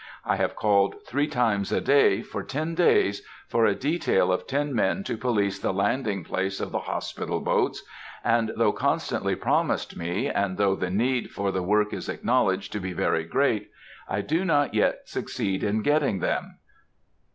I have called three times a day, for ten days, for a detail of ten men to police the landing place of the hospital boats; and though constantly promised me, and though the need for the work is acknowledged to be very great, I do not yet succeed in getting them.